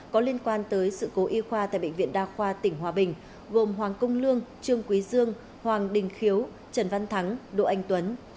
có liên quan tới sự cố y khoa tại bệnh viện đa khoa tỉnh hòa bình gồm hoàng công lương trương quý dương hoàng đình khiếu trần văn thắng đỗ anh tuấn